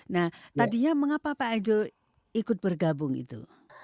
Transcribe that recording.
nah tadinya mengapa pak edo ikut bergabung itu